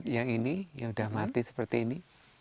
yang ini yang sudah mati seperti ini